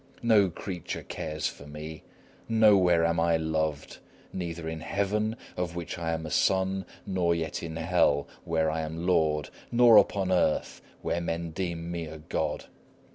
No creature cares for me; nowhere am I loved, neither in heaven, of which I am a son, nor yet in hell, where I am lord, nor upon earth, where men deem me a god.